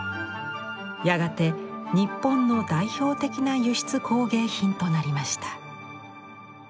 やがて日本の代表的な輸出工芸品となりました。